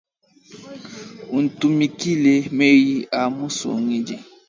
Utumikile meyi a musungidi.